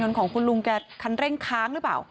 ของคุณลุงแกคันเร่งค้างหรือเปล่า